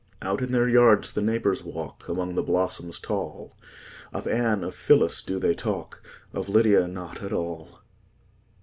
Out in their yards the neighbors walk, Among the blossoms tall; Of Anne, of Phyllis, do they talk, Of Lydia not at all.